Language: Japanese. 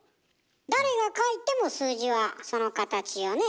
誰が書いても数字はその形よね。